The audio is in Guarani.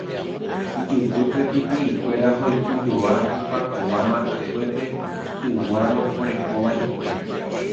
ijypýpe pipi'ikuéra hoy'ujoa ku pakova matakuépe yguárõ orekóva hikuái